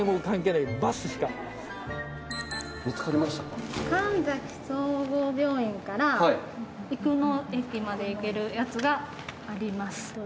神崎総合病院から生野駅まで行けるやつがあります。